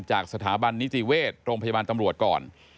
จากสถาบันนิติเวชโรงพยาบาลตำรวจก่อน